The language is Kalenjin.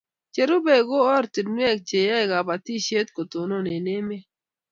Che rubei ko oratinwek che yae kabatishet ko tonon eng' emet